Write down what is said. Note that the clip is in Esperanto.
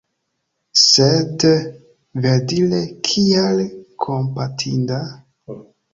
Sed, verdire, kial kompatinda?